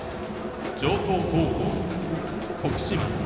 城東高校・徳島。